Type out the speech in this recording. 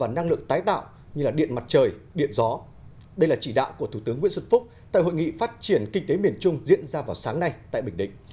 đây là chỉ đạo của thủ tướng nguyễn xuân phúc tại hội nghị phát triển kinh tế miền trung diễn ra vào sáng nay tại bình định